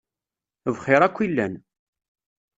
Bxiṛ akk i llan.